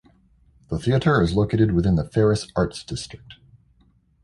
The theater is located within the Farris Arts District.